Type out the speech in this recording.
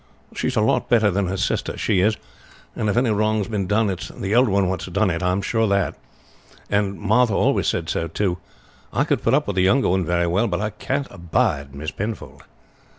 "She is a lot better than her sister, she is; and if any wrong's been done it's the old one that's done it, I am sure, and Martha always said so too. I could put up with the younger one very well, but I can't abide Miss Penfold."